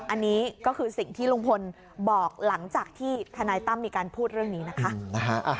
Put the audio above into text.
อันนี้ก็คือสิ่งที่ลุงพลบอกหลังจากที่ทนายตั้มมีการพูดเรื่องนี้นะคะ